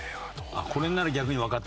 あっこれなら逆にわかったと。